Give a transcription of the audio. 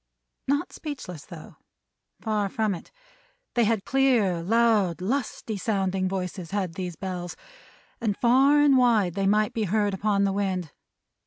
Not speechless, though. Far from it. They had clear, loud, lusty, sounding voices, had these Bells; and far and wide they might be heard upon the wind.